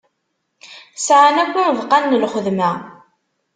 Sɛan akk imeḍqan n lxedma.